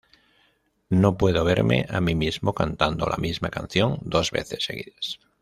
No puedo verme a mí mismo cantando la misma canción dos veces seguidas.